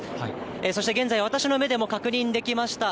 そして現在、私の目でも確認できました。